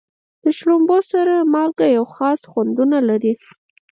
د شړومبو سره مالګه یوه خاصه خوندونه لري.